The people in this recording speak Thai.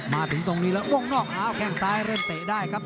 มาถึงตรงนี้แล้ววงนอกอ้าวแข้งซ้ายเริ่มเตะได้ครับ